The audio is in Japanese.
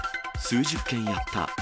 数十件やった。